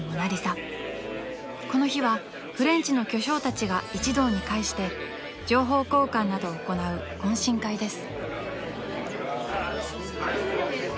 ［この日はフレンチの巨匠たちが一堂に会して情報交換などを行う懇親会です］